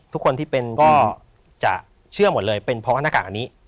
ทุกคนที่เป็นก็จะเชื่อหมดเลยเป็นเพราะว่าหน้ากากอันนี้